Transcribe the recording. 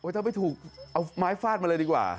ถ้าไม่ถูกเอาไม้ฟาดมาเลยดีกว่า